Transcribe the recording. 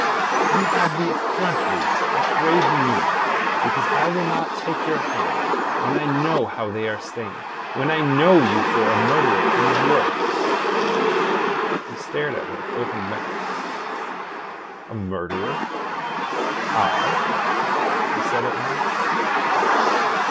"You have the effrontery to upbraid me because I will not take your hands when I know how they are stained; when I know you for a murderer and worse?" He stared at her open mouthed. "A murderer I?" he said at last.